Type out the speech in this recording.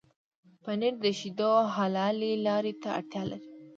پنېر د شيدو حلالې لارې ته اړتيا لري.